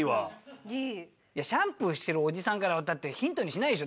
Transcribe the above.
いやシャンプーしてるおじさんからはだってヒントにしないでしょ。